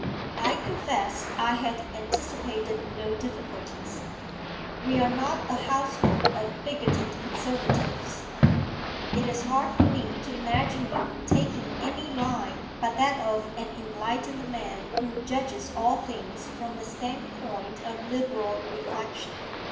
I confess I had anticipated no difficulties. We are not a household of bigoted Conservatives; it is hard for me to imagine you taking any line but that of an enlightened man who judges all things from the standpoint of liberal reflection.